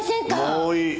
もういい。